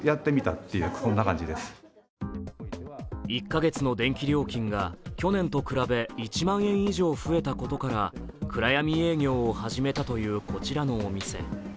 １カ月の電気料金が去年と比べ１万円以上増えたことから暗闇営業を始めたというこちらのお店。